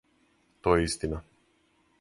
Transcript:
То је истина.